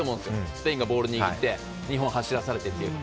スペインがボールを握って日本走らされてっていう。